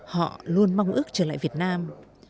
họ luôn mong ước trở lại việt nam